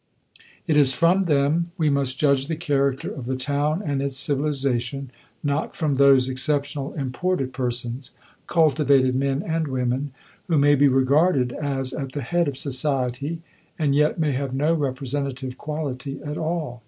It is from them we must judge the character of the town and its civilization, not from those exceptional, imported persons cultivated men and women, who may be regarded as at the head of society, and yet may have no representative quality at all.